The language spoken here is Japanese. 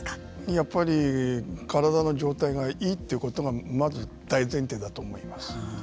やっぱり体の状態がいいということがまず大前提だと思います。